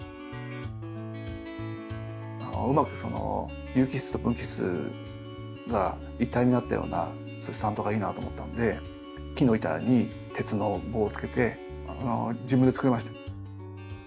うまく有機質と無機質が一体になったようなそういうスタンドがいいなと思ったんで木の板に鉄の棒をつけて自分でつくりました。